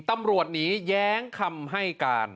ตำรวจหนีแย้งคำให้การ